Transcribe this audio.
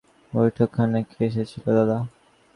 কথাটা ফিরিয়ে দেবার জন্যে বললে, বৈঠকখানায় কে এসেছিল, দাদা?